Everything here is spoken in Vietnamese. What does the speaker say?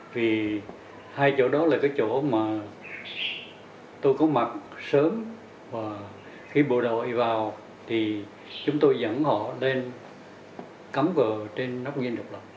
thì hai chỗ đó là cái chỗ mà tôi có mặt sớm và khi bộ đội vào thì chúng tôi dẫn họ lên cắm cờ trên nóc dinh độc lập